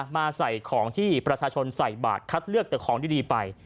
มาใส่ของที่ประชาชนใส่บาทคัดเลือกแต่ของดีไป